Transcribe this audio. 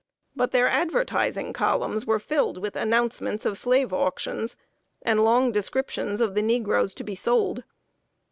But their advertising columns were filled with announcements of slave auctions, and long descriptions of the negroes to be sold.